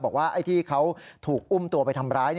บอกว่าไอ้ที่เขาถูกอุ้มตัวไปทำร้าย